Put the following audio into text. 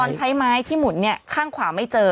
ใช้ไม้ที่หมุนเนี่ยข้างขวาไม่เจอ